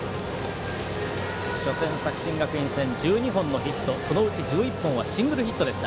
初戦、作新学院戦１２本のヒットそのうち１１本はシングルヒットでした。